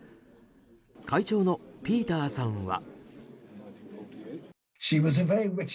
会長のピーターさんは。